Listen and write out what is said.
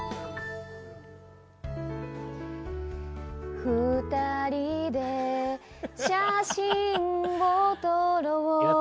２人で写真を撮ろう。